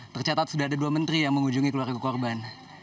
tercatat sudah ada dua menteri yang mengunjungi keluarga korban